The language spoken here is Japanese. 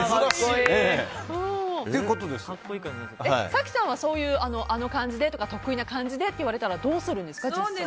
早紀さんはあの感じで、とか得意な感じで、とか言われたらどうするんですか？